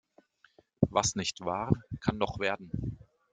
Was nicht war, kann noch werden.